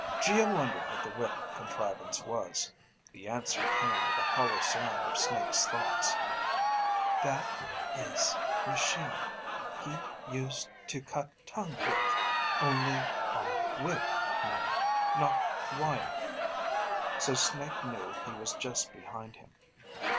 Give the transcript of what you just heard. Geo wondered what the whip contrivance was. The answer came with the hollow sound of Snake's thoughts. _That ... is ... machine ... he ... use ... to ... cut ... tongue ... with ... only ... on ... whip ... now ... not ... wire ..._ So Snake knew he was just behind him.